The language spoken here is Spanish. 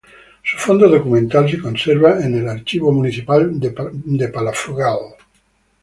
Su fondo documental se conserva al Archivo Municipal de Palafrugell.